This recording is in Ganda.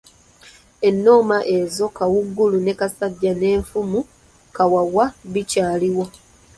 Ennoma ezo Kawuugulu ne Kasajja n'effumu Kawawa bikyaliwo.